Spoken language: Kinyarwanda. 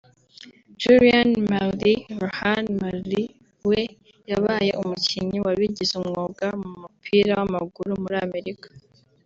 Julian Marley Rohan Marley we yabaye umukinnyi wabigize umwuga mu mupira w’amaguru muri Amerika